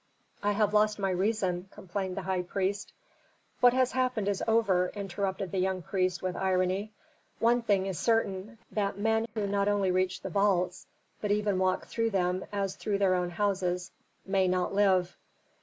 "I have lost my reason," complained the high priest. "What has happened is over," interrupted the young priest, with irony. "One thing is certain: that men who not only reach the vaults, but even walk through them as through their own houses, may not live."